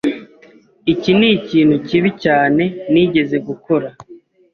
Iki nikintu kibi cyane nigeze gukora.